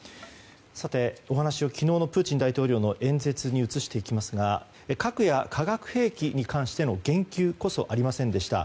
お話を昨日のプーチン大統領の演説に移しますが核や化学兵器に関しての言及こそありませんでした。